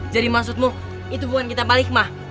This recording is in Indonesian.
jadi maksudmu itu bukan kitab al hikmah